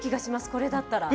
これだったら。